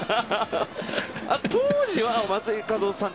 当時は松井稼頭央さん